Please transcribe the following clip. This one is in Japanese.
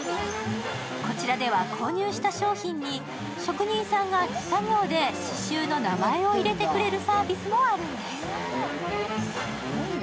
こちらでは購入した商品に職人さんが手作業で刺しゅうの名前を入れてくれるサービスがあるんです。